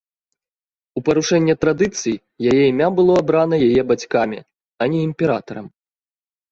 У парушэнне традыцый, яе імя было абрана яе бацькамі, а не імператарам.